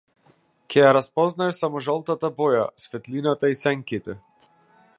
Ќе ја распознаваш само жолтата боја, светлината и сенките.